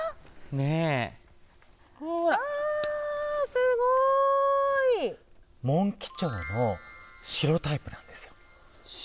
すごい！モンキチョウの白タイプなんですよ。